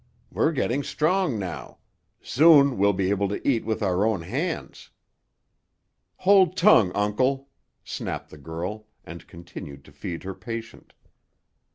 "We're getting strong now; soon we'll be able to eat with our own hands." "Hold tongue, Uncle," snapped the girl, and continued to feed her patient.